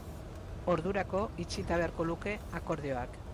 Ordurako itxita beharko luke akordioak.